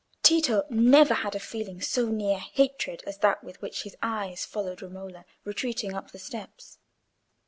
Tito never had a feeling so near hatred as that with which his eyes followed Romola retreating up the steps.